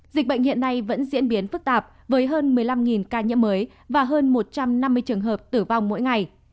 dịch bệnh hiện nay vẫn diễn biến phức tạp với hơn một mươi năm ca nhiễm mới và hơn một trăm năm mươi trường hợp tử vong mỗi ngày